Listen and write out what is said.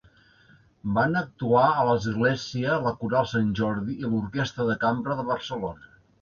Van actuar a l'església la Coral Sant Jordi i l'Orquestra de Cambra de Barcelona.